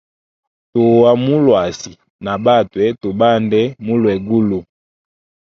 Tua mu luasi, na batwe tu bande mulwegulu.